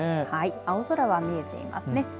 はい青空が見えていますね。